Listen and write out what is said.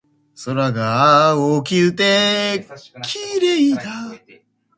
空が青くて綺麗だ